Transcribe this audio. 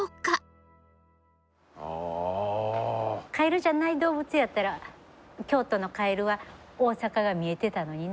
カエルじゃない動物やったら京都のカエルは大阪が見えてたのにね。